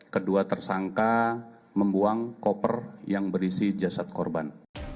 kedua tersangka membuang koper yang berisi jasad korban